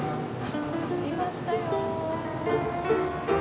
着きましたよ。